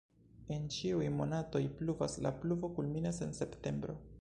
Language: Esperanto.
En ĉiuj monatoj pluvas, la pluvo kulminas en septembro.